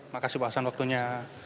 makasih pak hasan waktunya